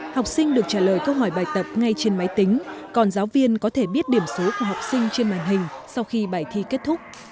học sinh được trả lời câu hỏi bài tập ngay trên máy tính còn giáo viên có thể biết điểm số của học sinh trên màn hình sau khi bài thi kết thúc